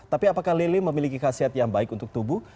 tapi apakah lele memiliki khasiat yang baik untuk tubuh